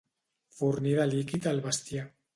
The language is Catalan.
Fornir de líquid el bestiar.